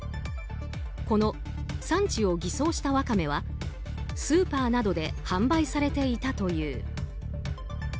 この産地を偽装したワカメはスーパーなどで販売されていたという。